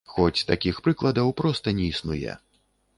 Хоць такіх прыкладаў проста не існуе.